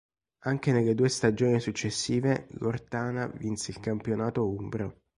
Anche nelle due stagioni successive l'Ortana vinse il campionato umbro.